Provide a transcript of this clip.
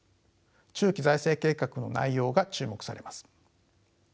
中期財政計画の内容が注目されます。